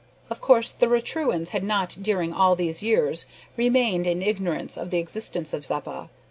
Of course, the Raturans had not during all these years, remained in ignorance of the existence of Zeppa.